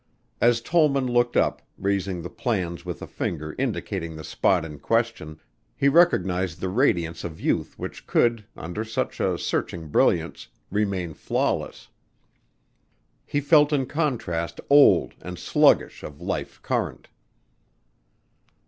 As Tollman looked up, raising the plans with a finger indicating the spot in question, he recognized the radiance of youth which could, under such a searching brilliance, remain flawless. He felt in contrast old and sluggish of life current.